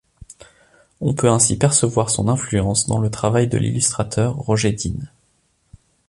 On peut ainsi percevoir son influence dans le travail de l'illustrateur Roger Dean.